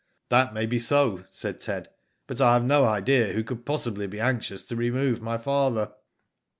"That may be so," said Ted; "but I have no idea who could possibly be anxious to remove my father."